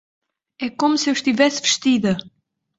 É como se eu estivesse vestida!